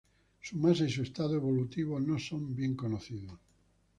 Su masa y su estado evolutivo no son bien conocidos.